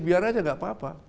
biar aja nggak apa apa